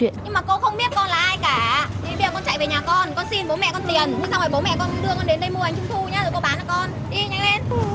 rồi cô bán cho con